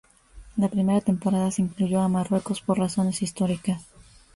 La primera temporada se incluyó a Marruecos por razones históricas.